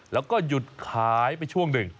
แล้วก็หยุดขายไปช่วงหนึ่ง